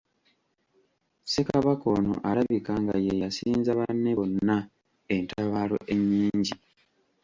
Ssekabaka ono alabika nga ye yasinza banne bonna entabaalo ennyingi.